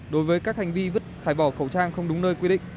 đối với các hành vi vứt thải bỏ khẩu trang không đúng nơi quy định